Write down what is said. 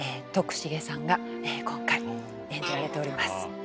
徳重さんが今回演じられております。